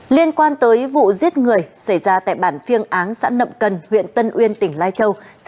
liên quan tới vụ giết người xảy ra tại bản phiêng áng xã nậm cần huyện tân uyên tỉnh lai châu